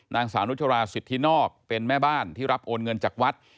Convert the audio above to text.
นางสาวนุชราสิทธินอกเป็นแม่บ้านที่รับโอนเงินจากวัด